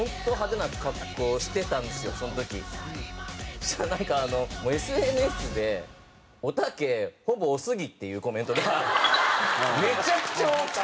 そしたらなんかあのもうＳＮＳで「おたけほぼおすぎ」っていうコメントがめちゃくちゃ多くて。